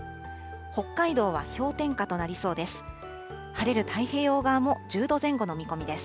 北海道は氷点下となりそうです。